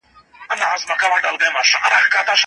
په مابينځ کي يو ډېر نوی او سپین پوزي غوړېدلی و.